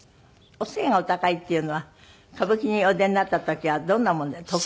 お背がお高いっていうのは歌舞伎にお出になった時はどんなもので得？